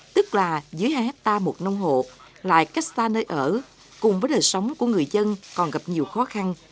tức là dưới hai hectare một nông hộ lại cách xa nơi ở cùng với đời sống của người dân còn gặp nhiều khó khăn